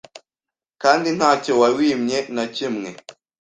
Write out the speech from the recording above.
kandi ntacyo wawimye nakimwe.